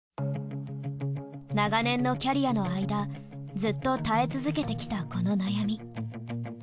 長年のキャリアの間ずっと耐え続けてきたこの悩み。